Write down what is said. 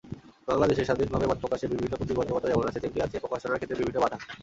বাংলাদেশে স্বাধীনভাবে মতপ্রকাশে বিভিন্ন প্রতিবন্ধকতা যেমন আছে, তেমনি আছে প্রকাশনার ক্ষেত্রে বিভিন্ন বাধা।